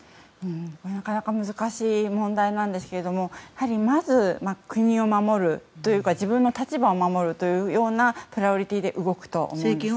これはなかなか難しい問題なんですけどまず国を守るというか自分の立場を守るというようなプライオリティーで動くと思います。